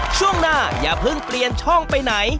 ช่วงหน้าอย่าเพิ่งเปลี่ยนช่องไปไหน